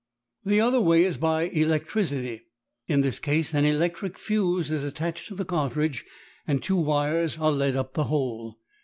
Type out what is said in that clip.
The other way is by electricity. In this case an electric fuse is attached to the cartridge and two wires are led up the hole.